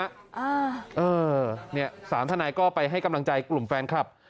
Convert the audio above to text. ะอนี่๓ท่านายก็ไปให้กำลังใจกลุ่มแฟนคำ